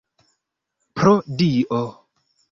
Pro Dio!